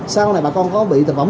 sau này bà con có bị thực phẩm gì